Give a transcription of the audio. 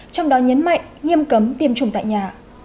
trong đó nhấn mạnh nghiêm cấm tiêm chủng tại nhà